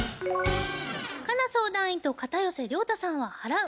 佳奈相談員と片寄涼太さんは「払う」